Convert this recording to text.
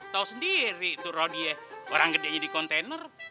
tau sendiri tuh rodia orang gedenya di kontainer